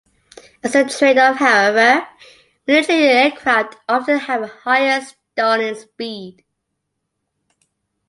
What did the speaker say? As a tradeoff however, military aircraft often have a higher stalling speed.